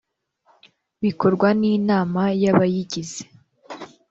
bikorwa n inama y abayigize